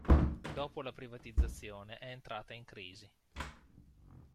Dopo la privatizzazione è entrata in crisi.